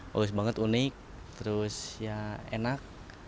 bagus banget unik terus ya enak